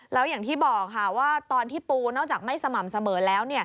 แล้วอย่างที่บอกค่ะว่าตอนที่ปูนอกจากไม่สม่ำเสมอแล้ว